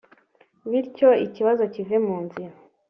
bityo ikibazo kive mu nzira